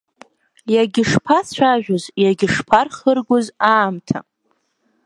Иагьышԥацәажәоз, иагьышԥархыргоз аамҭа…